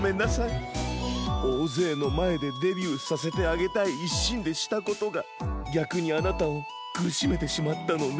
おおぜいのまえでデビューさせてあげたいいっしんでしたことがぎゃくにあなたをくるしめてしまったのね。